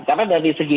karena dari segi